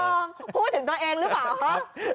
อมพูดถึงตัวเองหรือเปล่าคะ